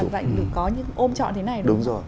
mà có những ôm trọn thế này